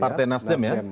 partai nasdem ya